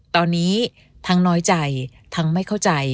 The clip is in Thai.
ตอนนี้ทั้งน้อยใจทั้งไม่เข้าใจ